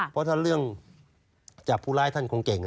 เพราะถ้าเรื่องจับผู้ร้ายท่านคงเก่ง